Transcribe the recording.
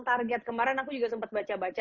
target kemarin aku juga sempat baca baca